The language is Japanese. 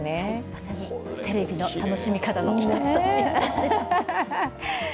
まさにテレビの楽しみ方の１つといえます。